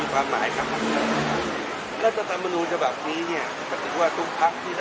ประกันการดาวประตาลของเราภาคนี้จะต้องบักกลุ่มในกรุงเทพภาคกระทบ